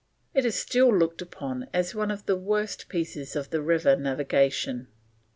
It is still looked upon as one of the worst pieces of the river navigation.